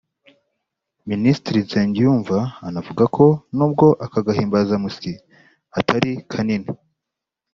Minisitiri Nsengiyumva anavuga ko n’ubwo aka gahimbazamusyi atari kanini